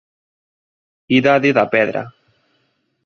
Idade da Pedra.